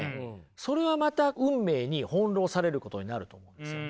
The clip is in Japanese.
それはまた運命に翻弄されることになると思うんですよね。